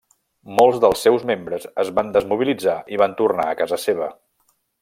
Molts dels seus membres es van desmobilitzar i van tornar a casa seva.